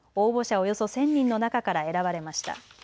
およそ１０００人の中から選ばれました。